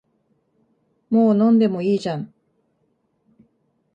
もう飲んでもいいじゃん